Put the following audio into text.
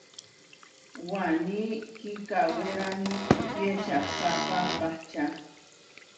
Waní kikawérani kiečahkápa pahča.